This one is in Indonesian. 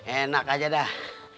enak aja dah